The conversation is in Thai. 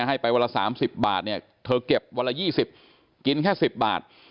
ให้ไปวันละ๓๐บาทเนี่ยเธอเก็บวันละ๒๐กินแค่๑๐บาท